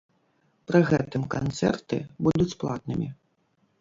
Пры гэтым канцэрты будуць платнымі.